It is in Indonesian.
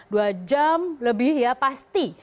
dua jam lebih ya pasti